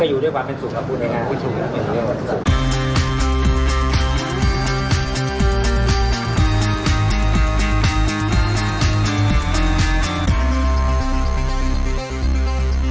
โปรดติดตามต่อไป